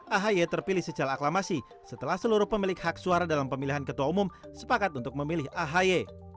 ahy terpilih secara aklamasi setelah seluruh pemilik hak suara dalam pemilihan ketua umum sepakat untuk memilih ahy